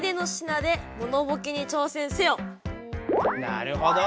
なるほど。